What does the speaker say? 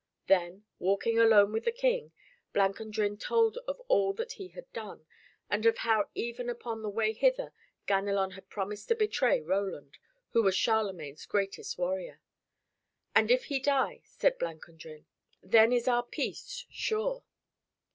Then, walking alone with the King, Blancandrin told of all that he had done, and of how even upon the way hither, Ganelon had promised to betray Roland, who was Charlemagne's greatest warrior. "And if he die," said Blancandrin, "then is our peace sure."